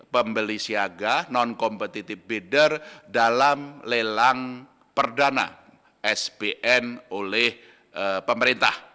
pembeli siaga non competitive birder dalam lelang perdana spn oleh pemerintah